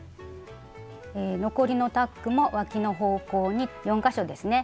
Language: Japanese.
残りのタックもわきの方向に４か所ですね